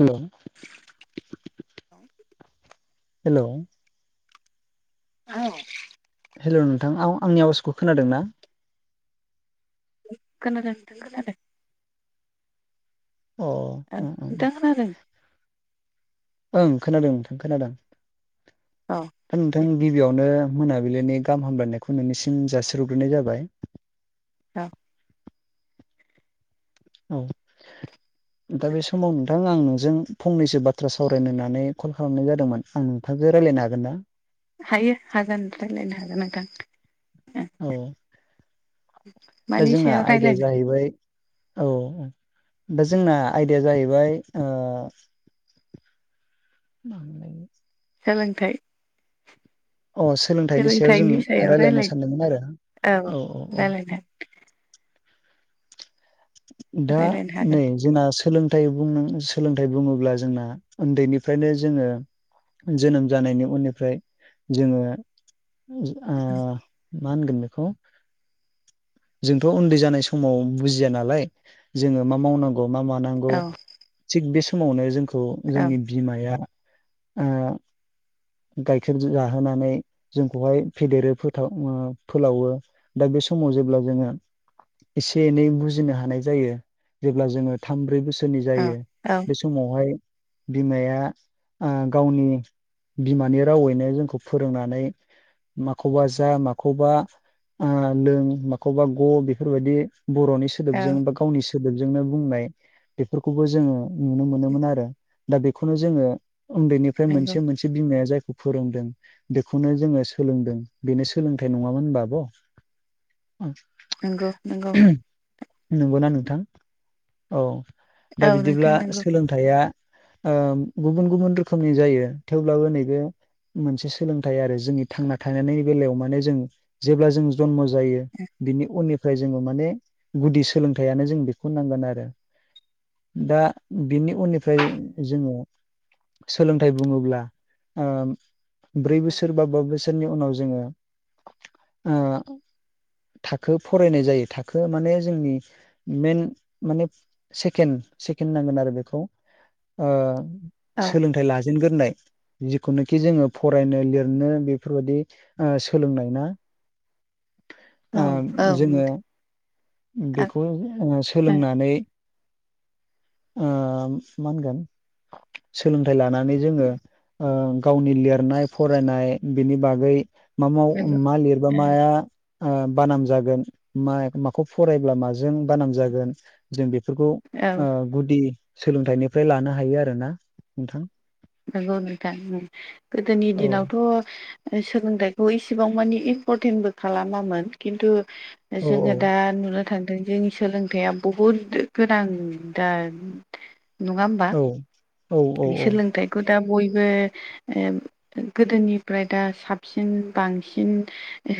हेल' औ हेलौ औ हेलौ नोंथां आ आंनि आवाजखौ खोनादों ना खोनादों नोंथां खोनादों अ औ नोंथां खोनादों ओं खोनादों नोंथां खोनादों औ दा नोंथां दे गिबियावनो मोनाबिलिनि गाहाम हामलायनायखौ नोंनिसिम जासिहरग्रोनाय जाबाय औ औ दा बे समावनो नोंथां आं नोंजों फंनैसो बाथ्रा सावरायनोनानै कल खालामनाय जादोंमोन आं नोंथांजों रायज्लायनो हागोन ना हायो हागोन रायलायनो हागोन नोंथां औ दा मानि जोंना सायाव आयदाया रायज्लायनो जाहैबाय औ, दा जोंना आयदाया जाहैबाय [unintelligible] [unintelligible] ओ अ सायाव जों सोलोंथाइनि सायाव रायलायनो रायलाय सानदोंमोन आरो औ रायलायनो दा रायज्लायनो हागोन नै जोंना सोलोंथाइ बुं सोलोंथाइ बुङोब्ला जोंना उन्दैनिफ्रायनो जोङो जोनोम जानायनि उननिफ्राय जोङो मा होनगोन बेखौ जोंथ' उन्दै जानाय समाव बुजिया नालाय। जोङो मा मावनांगौ मा मानांगौ औ थिग बे समावनो जोंखौ औ जोंनि बिमाया गाइखेर जाहोनानै जोंखौहाय फेदेरो फथाव ओ फोलावो। दा बे समाव जेब्ला जोङो एसे एनै बुजिनो हानाय जायो। जेब्ला जोङो थाम, ब्रै बोसोरनि औ जायो। औ बे समावहाय बिमाया ओ गावनि बिमानि रावैनो जोंखौ फोरोंनानै माखौबा जा माखौबा अ लों माखौबा ग' बेफोरबायदि बर'नि औ सोदोबजों बा गावनि सोदोबजोंनो बुंनाय बेफोरखौबो जोङो नुनो मोनोमोन आरो दा बेखौनो जोङो उन्दैनिफ्राय नंगौ मोनसे- मोनसे बिमाया जायखौ फोरोंदों बेखौनो जोङो सोलोंदों। बेनो सोलोंथाइ नङामोन होनबा आब'? नंगौ नंगौ। नंगौना नोंथां? औ औ दा नोंथां बिदिब्ला [unintelligible] [unintelligible] नंगौ गुबुन -गुबुन रोखोमनि जायो थेवब्लाबो नैबे मोनसे सोलोंथाइ आरो जोंनि थांना थानायनि बेलायाव माने जों जेब्ला जों जनम जायो बिनि उननिफ्राय जोङो माने गुदि सोलोंथाइआनो जों बेखौ नांगोन आरो। दा बेनि उननिफ्राय जोङो सोलोंथाइ बुङोब्ला ओ ब्रै बोसोर बा बा बोसोरनि उनाव जोङो ओ थाखो फरायनाय जायो। थाखो माने जोंनि मेन माने [unintelligible] सेकेणड नांगोन आरो बेखौ औ सोलोंथाइ लाजेनग्रोनाय जिखुनुखि जोङो फरायनो लिरनो बेफोरबायदि सोलोंनाय ना ओ औ जोङो नोंथां बेखौ ओ सोलोंनानै ओ मा होनगोन सोलोंथाइ लानानै जोङो ओ गावनि लिरनाय फरायनाय बिनि बागै मा- नंगौ मा लिरबा माया अ बानाम जागोन मा माखौ फरायब्ला माजों बानाम जागोन जों बेफोरखौ ओ औ गुदि सोलोंथाइनिफ्राय लानो हायो आरोना नोंथां। नंगौ नोथां। गोदोनि औ दिनावथ' सोलोंथाइखौ इसेबां मानि इम्परटेन्टबो खालामामोन खिन्थु औ औ जोङो दा [unintelligible] [unintelligible] जोंनि सोलोंथाइया बुहुद गोनां दा नङा होमबा? औ। औ बे सोलोंथाइखौ दा बयबो ओ गोदोनिफ्राय दा साबसिन बांसिन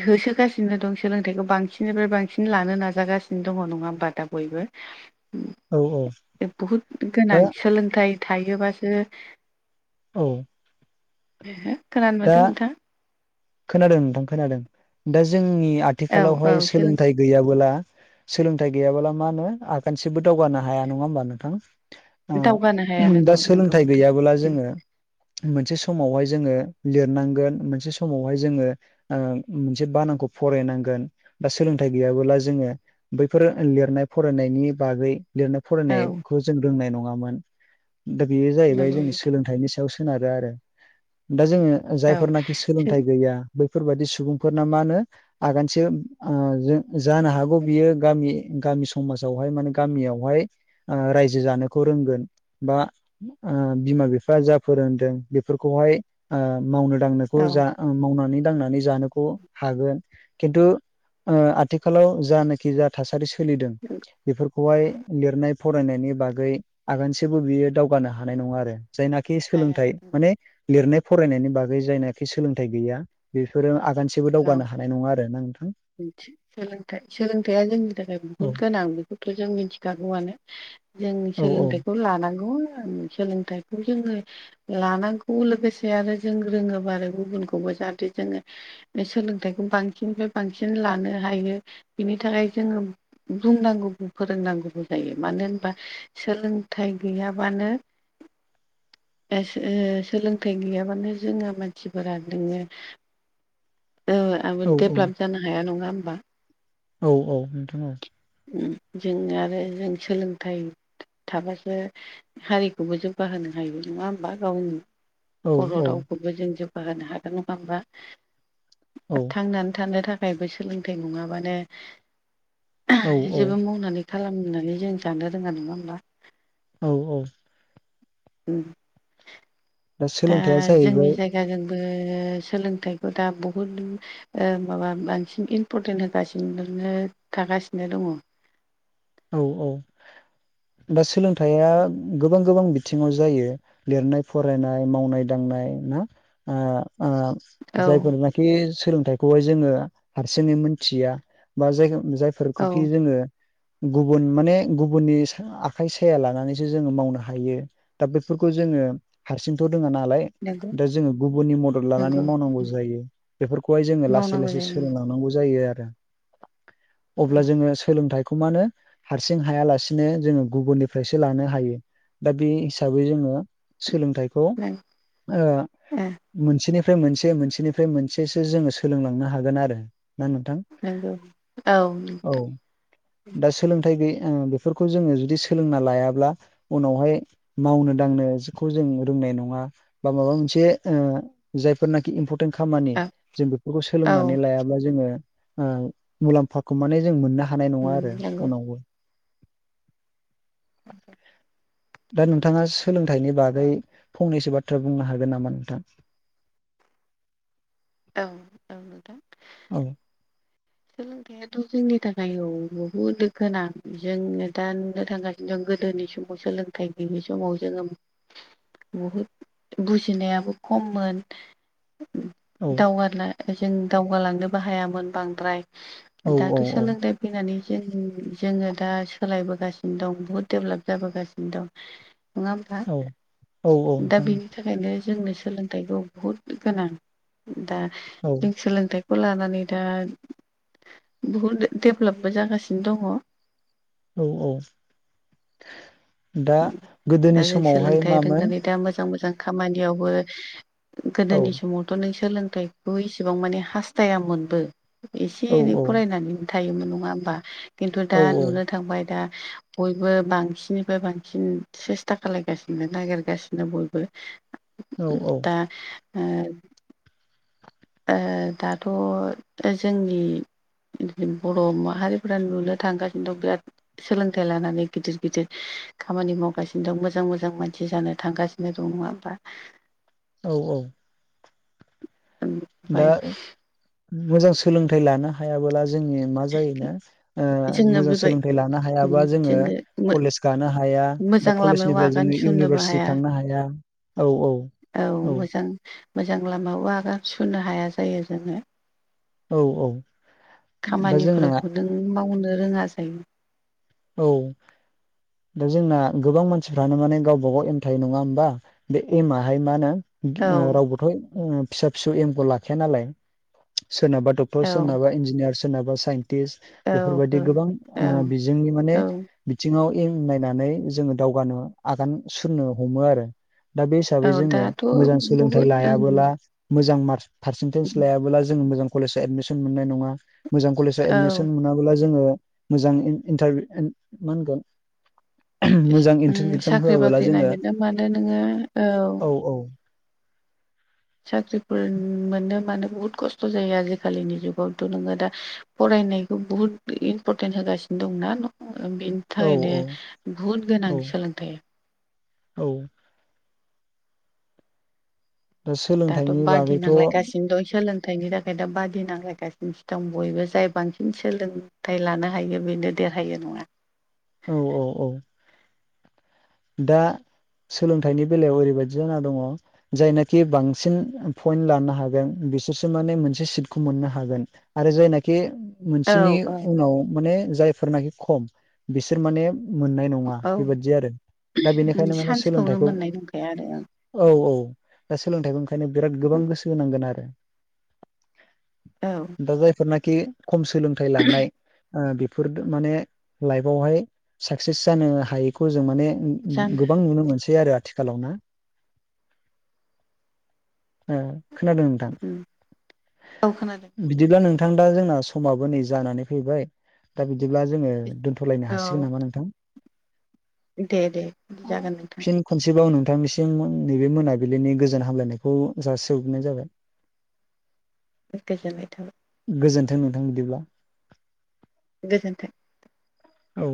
होसोगासिनो दं सोलोंथाइखौ बांसिननिफ्राय बांसिन लानो नाजागासिनो दङ नङा होमबा दा बयबो औ औ बहुद दा गोनां सोलोंथाइ थायोबासो औ। [unintelligible] दा नोंथा खोनादों नोंथां खोनादों। दा जोंनि औ औ आथिखालावहाय सोलों सोलोंथाइ गैयाबोला सोलोंथायाइ गैयाबला मा होनो आगानसेबो दावगानो हाया नङा होमबा नोंथां? अ दावगानो हाया नंगौ दा नंगौ सोलोंथाइ गैयाबोला जोङो मोनसे समावहाय जोङो लिरनांगोन, मोनसे समावहाय जोङो मोनसे बानानखौ फरायनांगोन, बा सोलोंथाइ गैयाबोला जोङो बैफोर लिरनाय फरायनायनि बागै लिरनाय औ फरायनायखौ जों रोंनाय नङामोन। दा बेयो जाहैबाय नंगौ जोंनि सोलों सायाव सोनार आरो। दा जों औ जायफोरनाखि सोलोंथाइ गैया बैफोरबायदि सुबुंफोरना मा होनो आगानसे ओ जानो हागौ बियो गामि गामि समाजावहाय माने गामियावहाय रायजो जानोखौ रोंगोन, बा बिमा बिफा जा फोरोंदों बेफोरखौहाय मावनो दांनोखौ औ जा मावनानै दांनानै जानोखौ हागोन। खिन्थु आथिखालाव जानाखि जा थासारि सोलिदों बेफोरखौहाय लिरनाय फरायनायनि बागै आगानसेबो बियो दावगानो हानाय नङा आरो। जायनाखि हाया सोलोंथाइ माने लिरनाय फरायनायनि बागै जायनाखि सोलोंथाइ गैया। बेफोर आगानसेबो औ दावगानो हानाय नङा आरोना नोंथां। सोलोंथाइ सोलोंथाइया जोंनि थाखाय बुहुत औ गोनां बेखौथ' जों मिथिखागौवानो। जों औ सोलोंथाइखौ लानांगौ सोलोंथाइखौ जोङो लानांगौ लोगोसे आरो जों रोङोबा आरो गुबुनखौबो जाहाथे जोङो सोलोंथाइखौ बांसिननिफ्राय बांसिन लानो हायो बिनि थाखाय जोङो बुंनांगौबो फोरोंनांगौबो जायो। मानो होनबा सोलोंथाइ गैयाबानो [inaudible] सोलोंथाइ गैयाबानो जोङो मानसिफोरा नोङो आं औ डेभलप जानो हाया नङा होमबा। औ औ नोंथां औ। जों आरो जों सोलोंथाइ थाबासो हारिखौबो जौगाहोनो हायो नङा होमबा। गावनि औ बर' औ रावखौबो जों जौगाहोनो हागोन नङा होमबा। औ थांनानै थानो थाखायबो सोलोंथाइ नङाबानो औ जेबो औ मावनानै खालामनानै जों जानो रोङा नङा होमब्ला। औ औ। दा सोलोंथाइया जाहैबाय जोंनि जायगायाव दा जोंबो सोलोंथाइखौ दा बहुद माबा बांसिन इमपरटेन्ट होगासिनो थागासिनो दङ। औ औ दा सोलोंथाइया गोबां गोबां बिथिङाव जायो। लिरनाय फरायनाय, मावनाय दांनाय ना औ जायफोरनाखि सोलोंथाइखौहाय जोङो हारसिङै मोनथिया। बा जाय जाय औ फोरफोरखौखि जोङो गुबुन माने गुबुननि आखाइ साया लानानैसो जोङो मावनो हायो। दा बेफोरखौ जोङो हारसिंथ' रोङा नालाय नंगौ दा जोङो गुबुननि मदद लानानै नंगौ मावनांगौ जायो। बेफोरखौहाय जोङो लासै मावनांगौ लासै जायो सोलोंलांनांगौ जायो आरो। अब्ला जोङो सोलोंथाइ मानो हारसिं हायालासिनो जोङो गुबुननिफ्रायसो लानो हायो। दा बे हिसाबै जोङो सोलोंथाइखौ मोनसेनिफ्राय मोनसे मोनसेनिफ्राय मोनसेसो जोङो सोलोंलांनो हागोन आरो। ना नों नंगौ औ। दा सोलोंथाइ गैयि बेफोरखौ जोङो जुदि सोलोंना लायाब्ला उनावहाय मावनो दांनोखौ जों रोंनाय नङा। बा माबा मोनसे जायफोरनाखि इम्परटेन्ट खामानि नंगौ जों बेफोरखौ औ सोलोंनानै लायाब्ला जोङो मुलामफाखौ माने जों मोननो हानाय नङा आरो नोंथां उनाव। औ। दा नोंथाङा सोलोंथाइनि बागै फंनैसो बाथ्रा बुंनो हागोन नामा नोंथां? औ औ नोंथां। औ। सोलोंथाया जोंनि थाखाय औ बहुद गोनां जोंनो दा नुनो थांगासिनो दं गोदोनि समाव सोलों थाय गैयै समाव जोङो बहुद बुजिनायाबो खममोन औ दावगाला जों दावगालांनोबो हायामोन बांद्राय औ दाथ' औ औ सोलोंथाइ फैनानै जों जोङो दा सोलायबोगासिनो दं बहुद दडेभेलप जाबोगासिनो दं। [inaudible] नङा होमबा? औ औ औ दा नोंथां बेनि थाखायनो जोंनो सोलों थाइखौ बुहुद गोनां दा औ जों सोलोंथाइखौ लानानै दा बहुद दडेभलपबो जागासिनो दङ। औ औ दा दा गोदोनि जों समावहाय सोलोंथाइ मामोन रोंनानै दा मोजां मोजां खामानियावबो औ गोदोनि समावथ' नों सोलोंथाइ खौ‌ इसेबां माने हास्थायामोनबो एसे औ एनै फरायनानै थायोमोन नङा होमबा? खिन्थु दा औ नुनो थांबाय दा बयबो बांसिननिफ्राय बांसि सिन सेस्था खालायगासिनो नागिरगासिनो बयबो औ औ दा ओ ओ दाथ ओ जोंनि बिदिन बर माहारिफ्रा नुनो थांगासिनो दं बिराद सोलोंथाइ लानानै गिदिर गिदिर खामानि मावगासिनो दं मोजां मोजां मानसि जानो थांगा बे दं नङा होमबा औ औ। उम। दा मोजां सोलोंथाइ लानो हायाबोला जोंनि मा जायोनो ओ जोङो मोजां बेबाय सोलोंथाइ लानो हायाबा जोङो कलेज गानो हाया दा मोजां लामायाव कलेजनिफ्राय आगान जोङो सुरनोबो इउनिभारसिटि हाया थांनो हाया औ औ औ। मोजां लामायाव आगान सुनो हाया जायो जोङो। औ औ। दा जोंना खामानिफोरखौ नों मावनो रोङा जायो। औ दा जोंना गोबां मानसिफ्रानो माने गावबागाव एम थायो नङा होमबा? बे एमाहाय मा नो औ ओ रावबोथ ओ फिसा फिसौ एमखौ लाखाया नालाय सोरनाबाथ डक डक्टर औ सोरनाबा इन्जिनियार सोरनाबा साइन्टिस्ट औ बेफोरबायदि गोबां औ औ ओ बिजोंनि माने औ बिथिङाव एम नायनानै जोङो दावगानो आगान सुरनो हमो आरो। दा बे हिसाबै औ जोङो दाथ' मोजां सोलोंथाइ बहुद ओं लायाबोला मोजां मार्क पार्सेन्टेज लायाबोला जों मोजां कलेजआव एदमिसन मोननाय नङा मोजां कलेज फ्राय औ एडमिसन मोनाबोला जोङो मोजां इन इन्टारभि इन मा होनगोन मोजां उम इन्ट्रेन्स एक्जाम साख्रि होआबोला बाख्रि जोङो नागिरनो मानो नोङो औ औ। साख्रिफोर मोनो मानो बुहुत खस थ जायो आजिखालिनि जुगावथ नोङो दा फरायनायखौ बुहुद इम्परटेन्ट होगासिनो दं ना ओ बिनि औ थाखायनो बुहुद गोनां औ सोलोंथाया। औ। दा दाथ सोलोंथाइनि बादि बागैथ' नांलायगासिनो दं सोलों थायनि थाखाय दा बादि नांलायगासिनोसो दं बयबो जाय बांसिन सोलोंथाइ लानो हायो बेनो देरहायो नङा औ औ औ। दा सोलोंथाइनि बेलायाव ओरैबायदि जाना दङ जायनाखि बांसिन पइन्ट लानो हागोन बिसोरसो माने मोनसे सिटखौ मोननो हागोन। आरो जायनाखि औ मोनसेनि औ उनाव माने जाय फोरनाखि खम बिसोर माने मोननाय नङा औ बेबादि आरो दा बेनिखायनो माने सान्सखौनो सोलोंथाइखौ मोननाय नंखाया आरो औ औ दा सोलोंथाइखौ ओंखायनो बिराद गोबां गोसो होनांगोन आरो। औ दा जायफोरनाखि खम सोलोंथाइ लानाय ओ बेफोर माने लाइफआवहाय साक्सेस जानो हायैखौ जों माने ओ ओ जानो गोबां नुनो मोनसै आरो आथि खालावना ओ खोनादों नोंथां। औ खोनादों बिदिब्ला नोंथां दा जोंना समाबो नै जानानै फैबाय। दा बिदिब्ला जोङो दोनथलायनो औ हासिगोन नामा नोंथां। दे दे जागोन नोंथां। फिन खनसेबाव नोंथांनिसिम ओन नैबे मोनाबिलिनि गोजोन हामलायनायखौ जासि हरग्रोनाय जाबाय। [inaudible] गोजोननाय थाबाय। गोजोन्थों नोंथां बिदिब्ला। गोजोन्थों। औ